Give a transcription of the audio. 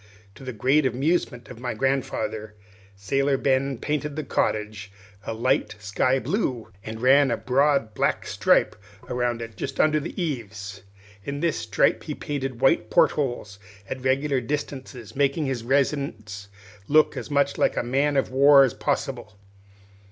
To the great amusement of my grandfather, Sailor Ben painted the cottage a light sky blue, and ran a broad black stripe around it just under the eaves. In this stripe he painted white port holes, at regular distances, making his residence look as much like a man of war as possible.